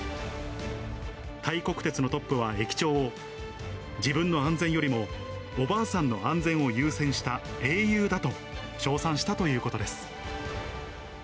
タイ国鉄のトップは、駅長を、自分の安全よりもおばあさんの安全を優先した英雄だと称賛したということです。